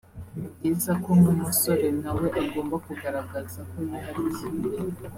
ni byiza ko nk’umusore na we agomba kugaragaza ko yihariye